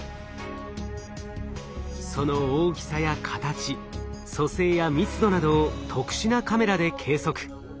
その大きさや形組成や密度などを特殊なカメラで計測。